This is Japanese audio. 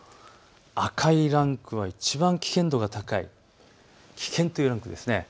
赤いランクはいちばん危険度が高い危険というランクです。